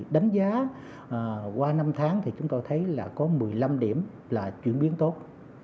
đánh giá qua năm tháng chúng ta thấy có một mươi năm điểm là chuyển biến tốt